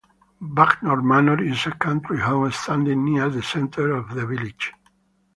Bagnor Manor is a country home standing near the centre of the village.